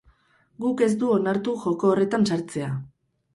Guk ez du onartu joko horretan sartzea.